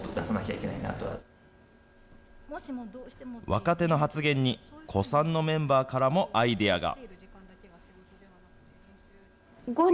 若手の発言に、古参のメンバーからもアイデアが。